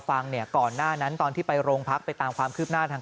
ฟังเนี่ยก่อนหน้านั้นตอนที่ไปโรงพักไปตามความคืบหน้าทาง